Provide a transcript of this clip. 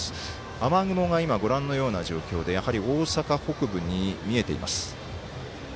雨雲がご覧のような状況でやはり大阪北部に見えています。